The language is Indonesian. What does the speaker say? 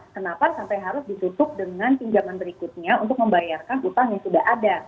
kenapa sampai harus ditutup dengan pinjaman berikutnya untuk membayarkan utang yang sudah ada